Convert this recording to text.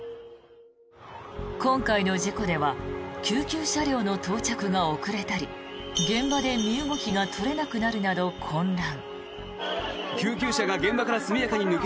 今回の事故では救急車両の到着が遅れたり現場で身動きが取れなくなるなど混乱。